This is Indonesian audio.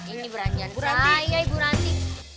ini belanjaan saya ibu ranti